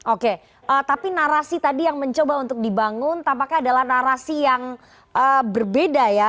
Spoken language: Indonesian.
oke tapi narasi tadi yang mencoba untuk dibangun tampaknya adalah narasi yang berbeda ya